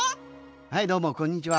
はいどうもこんにちは。